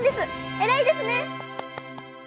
偉いですね！